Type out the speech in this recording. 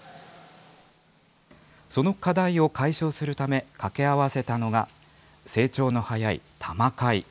その課題を解消するため、掛け合わせたのが、成長の早いタマカイ。